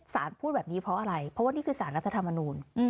พูดแบบนี้เพราะอะไรเพราะว่านี่คือสารรัฐธรรมนูล